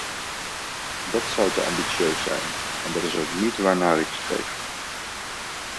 Dat zou te ambitieus zijn en dat is ook niet waarnaar ik streef.